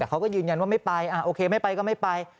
แต่เขาก็ยืนยันว่าไม่ไปโอเคไม่ไปก็ไม่ไป